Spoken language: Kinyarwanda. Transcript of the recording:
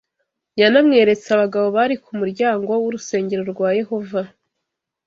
Yanamweretse abagabo bari ku muryango w’urusengero rwa Yehova